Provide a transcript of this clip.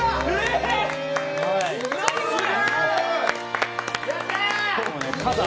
何これ？